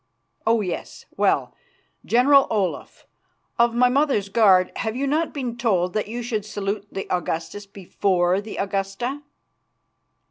"Oh! yes. Well, General Olaf, of my mother's guard, have you not been told that you should salute the Augustus before the Augusta?"